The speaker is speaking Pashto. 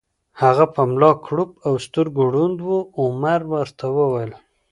هغه په ملا کړوپ او سترګو ړوند و، عمر ورته وویل: